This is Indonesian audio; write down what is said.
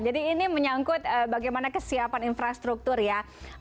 jadi ini menyangkut bagaimana kesiapan infrastruktur ya